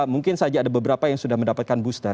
mungkin saja ada beberapa yang sudah mendapatkan booster